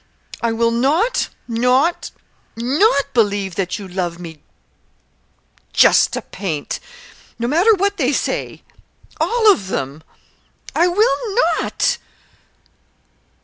I will not not not believe that you love me just to paint. No matter what they say all of them! I _will not!